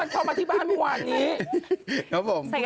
คุณยังอยู่เหรอคุณแม่คนนี้ฮะ